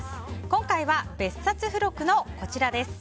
今回は別冊付録のこちらです。